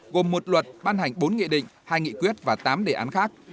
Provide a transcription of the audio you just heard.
gồm một luật ban hành bốn nghị định hai nghị quyết và tám đề án khác